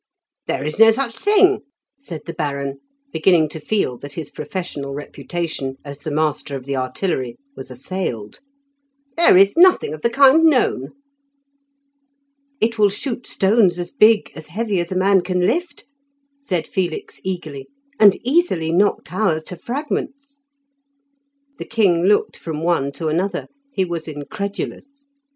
"There is no such thing," said the Baron, beginning to feel that his professional reputation as the master of the artillery was assailed. "There is nothing of the kind known." "It will shoot stones as big, as heavy as a man can lift," said Felix eagerly, "and easily knock towers to fragments." The king looked from one to another; he was incredulous.